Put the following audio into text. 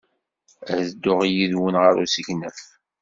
Ad dduɣ yid-wen ɣer usegnaf.